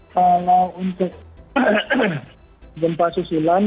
kalau untuk gempa susulan